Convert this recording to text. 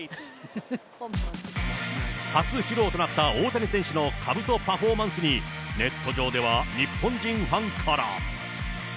初披露となった大谷選手のかぶとパフォーマンスに、ネット上では日本人ファンから。